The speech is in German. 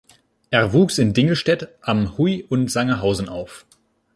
Er wuchs in Dingelstedt am Huy und Sangerhausen auf.